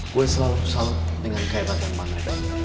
gue selalu selalu dengan kehebatan mana da